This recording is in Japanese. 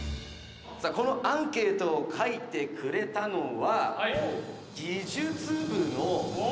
「このアンケートを書いてくれたのは」